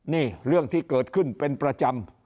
นี่เรื่องที่เกิดขึ้นเป็นประจำ